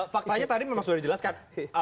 faktanya tadi memang sudah dijelaskan